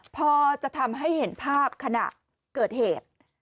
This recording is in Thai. พอจะทำให้เห็นภาพขณะเกิดเหตุ